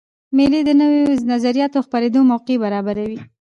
مېلې د نوو نظریاتو د خپرېدو موقع برابروي.